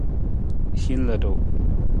Hin ludu.